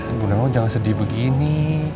ibu nemo jangan sedih begini